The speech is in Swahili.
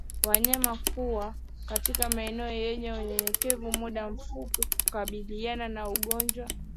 Wanyama kuwa katika maeneo yenye unyevunyevu muda mfupi hukabiliana na ugonjwa wa kuoza kwato